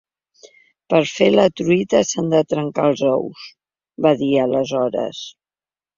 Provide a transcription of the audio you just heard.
Per fer la truita s’han de trencar els ous, va dir aleshores.